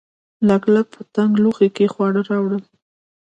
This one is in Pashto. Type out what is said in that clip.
لګلګ په تنګ لوښي کې خواړه راوړل.